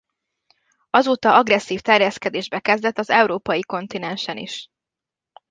Azóta agresszív terjeszkedésbe kezdett az európai kontinensen is.